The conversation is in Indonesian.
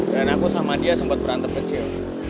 dan aku sama dia sempet berantem kecil